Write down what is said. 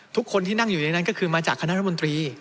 ทุกคนที่นั่งอยู่ในนั้นก็คือมาจากคณะรัฐมนตรี